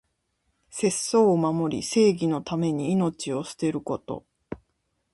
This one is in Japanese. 節操を守り、正義のために命を捨てること。